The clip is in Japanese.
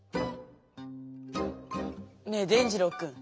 ねえ伝じろうくん。